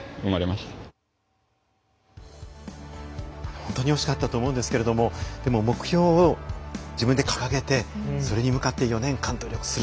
本当に惜しかったと思うんですけれどもでも目標を自分で掲げてそれに向かって４年間努力する。